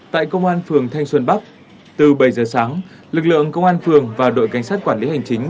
tại công an phường thanh xuân bắc từ bảy giờ sáng lực lượng công an phường và đội cảnh sát quản lý hành chính